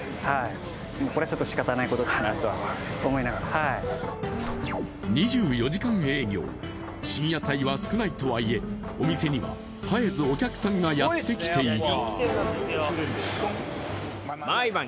しかし２４時間営業、深夜帯は少ないとはいえお店には絶えずお客さんがやってきていた。